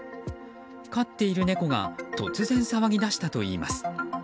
飼っている猫が突然騒ぎ出したといいます。